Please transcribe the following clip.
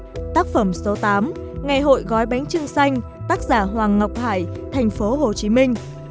các tác phẩm số tám ngày hội gói bánh trưng xanh tác giả hoàng ngọc hải thành phố hồ chí minh